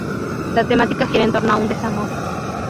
La temática gira en torno a un desamor.